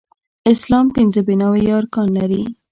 اسلام پنځه بناوې يا ارکان لري